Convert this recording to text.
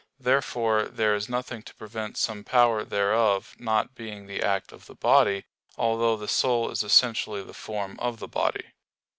Therefore there is nothing to prevent some power thereof not being the act of the body, although the soul is essentially the form of the body.